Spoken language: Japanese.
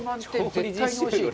絶対においしいよ。